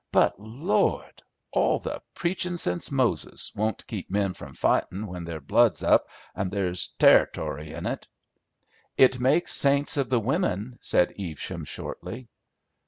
But Lord! all the preachin' sense Moses won't keep men from fightin' when their blood's up and there's ter'tory in it." "It makes saints of the women," said Evesham shortly.